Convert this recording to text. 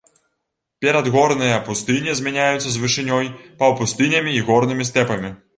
Перадгорныя пустыні змяняюцца з вышынёй паўпустынямі і горнымі стэпамі.